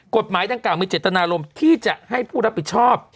กฎหมายดังกล่ามีเจตนารมณ์ที่จะให้ผู้รับผิดชอบ